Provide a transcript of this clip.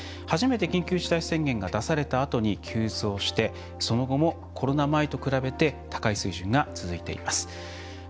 初めて緊急事態宣言が出されたあとに急増して、その後もコロナ前と比べて高い水準が続いています。